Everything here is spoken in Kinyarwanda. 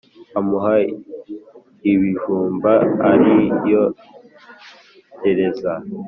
amuha iibijumba ariyokereza